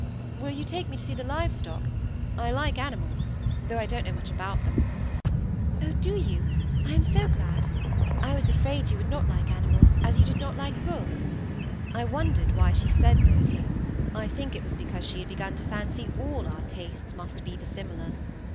"Will you take me to see the live stock? I like animals, though I don't know much about them." "Oh, do you? I am so glad! I was afraid you would not like animals, as you did not like books." I wondered why she said this. I think it was because she had begun to fancy all our tastes must be dissimilar.